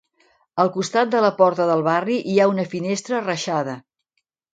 Al costat de la porta del barri hi ha una finestra reixada.